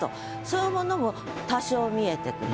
そういうものも多少見えてくる。